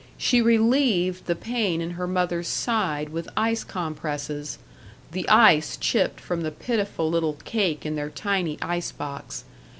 She relieved the pain in her mother's side with ice compresses the ice chipped from the pitiful little cake in their tiny ice box.